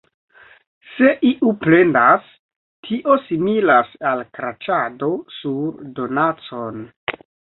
Se iu plendas, tio similas al kraĉado sur donacon.